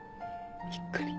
びっくり。